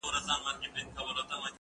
دا بوټونه له هغه پاک دي!؟